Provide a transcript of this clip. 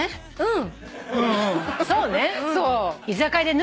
うん。